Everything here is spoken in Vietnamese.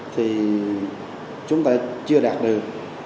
thì chúng ta chưa đạt được